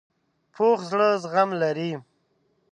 پوخ زړه زغم لري